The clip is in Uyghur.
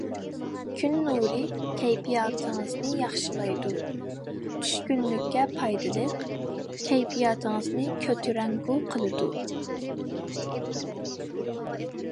كۈن نۇرى كەيپىياتىڭىزنى ياخشىلايدۇ، چۈشكۈنلۈككە پايدىلىق، كەيپىياتىڭىزنى كۆتۈرەڭگۈ قىلىدۇ.